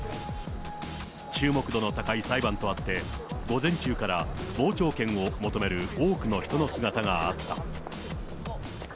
注目度の高い裁判とあって、午前中から傍聴券を求める多くの人の姿があった。